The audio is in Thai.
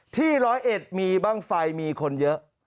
ร้อยเอ็ดมีบ้างไฟมีคนเยอะ